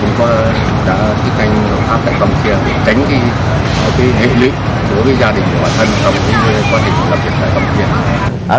hoặc là tất cả các nội chiếu